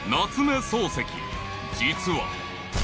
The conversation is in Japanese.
［実は］